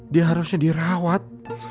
dia harusnya dirawat